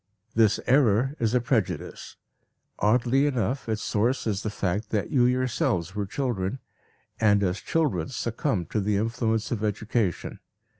This error is a prejudice. Oddly enough its source is the fact that you yourselves were children, and as children succumbed to the influence of education.